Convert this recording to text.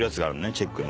チェックの。